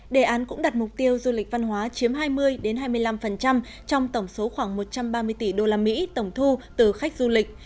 đề án cũng đặt mục tiêu du lịch văn hóa chiếm hai mươi hai mươi năm trong tổng số khoảng một trăm ba mươi tỷ usd tổng thu từ khách du lịch